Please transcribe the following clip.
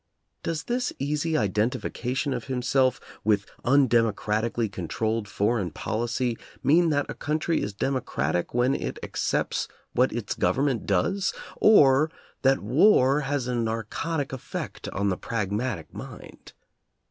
Does this easy identification of himself with undemocratically controlled foreign policy mean that a country is democratic when it accepts what its government does, or that war has a nar cotic effect on the pragmatic mind?